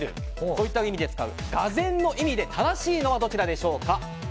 こういった意味で使うがぜんの意味で正しいのはどちらでしょうか？